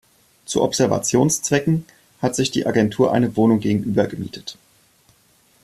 Zu Observationszwecken hat sich die Agentur eine Wohnung gegenüber gemietet.